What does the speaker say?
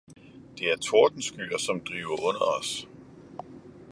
»Det er Tordenskyer, som drive under os!